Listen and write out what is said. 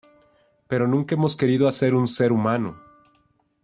Pero nunca hemos querido hacer un "Ser humano!!